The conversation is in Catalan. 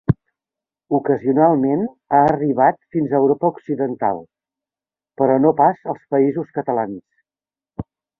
Ocasionalment ha arribat fins a Europa occidental, però no pas als Països Catalans.